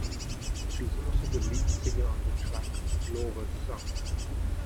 She is also the lead singer on the track, "Lora's Song".